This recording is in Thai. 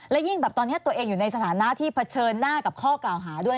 และยิ่งแบบตอนนี้ตัวเองอยู่ในสถานะที่เผชิญหน้ากับข้อกล่าวหาด้วย